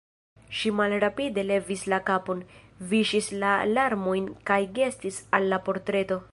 Ŝi malrapide levis la kapon, viŝis la larmojn kaj gestis al la portreto.